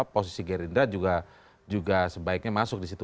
posisi gerindra juga sebaiknya masuk di situ